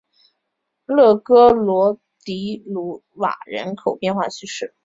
勒格罗迪鲁瓦人口变化图示